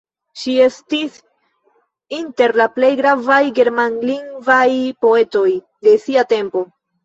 Ŝi estis inter la plej gravaj germanlingvaj poetoj de sia tempo.